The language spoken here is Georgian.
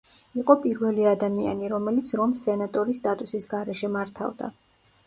იყო პირველი ადამიანი, რომელიც რომს სენატორის სტატუსის გარეშე მართავდა.